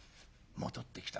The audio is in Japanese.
戻ってきた。